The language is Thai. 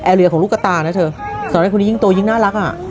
เอลิอร์ของลูกกระตาน่ะเธอเสร็จนึงคนนี้ยิ่งโตยิ่งน่ารักอ่ะ